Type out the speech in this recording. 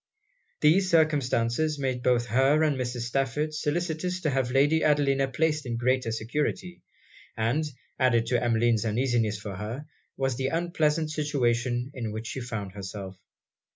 These circumstances made both her and Mrs. Stafford solicitous to have Lady Adelina placed in greater security; and, added to Emmeline's uneasiness for her, was the unpleasant situation in which she found herself.